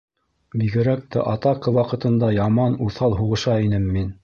— Бигерәк тә атака ваҡытында яман уҫал һуғыша инем мин.